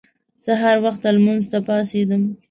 سهار وخته لمانځه ته پاڅېدم.